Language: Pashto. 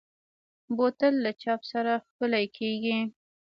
بوتل له چاپ سره ښکلي کېږي.